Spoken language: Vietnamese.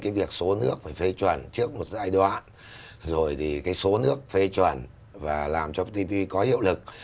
cái việc số nước phải phê chuẩn trước một giai đoạn rồi thì số nước phê chuẩn và làm cho pv có hiệu lực